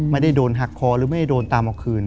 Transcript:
ไม่ได้โดนหักคอหรือไม่ได้โดนตามเอาคืน